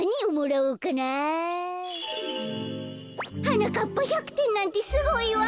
「はなかっぱ１００てんなんてすごいわ。